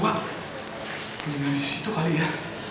jangan disitu kali ya